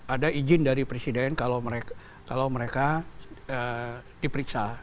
ada izin dari presiden kalau mereka diperiksa